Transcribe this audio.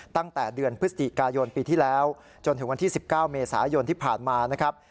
ตั้งแต่เดือนพฤศจิกายนปีที่แล้วจนถึงวันที่๑๙เมษายนที่ผ่านมานะครับ